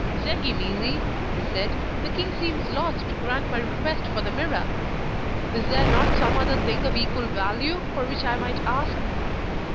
'Zengi mizi,' he said, 'the king seems loth to grant my request for the Mirror is there not some other thing of equal value for which I might ask?